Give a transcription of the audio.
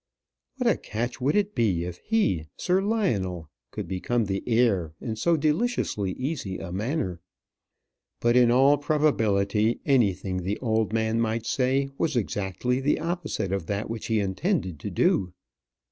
What a catch would it be if he, Sir Lionel, could become the heir in so deliciously easy a manner! But, in all probability, anything the old man might say was exactly the opposite of that which he intended to do.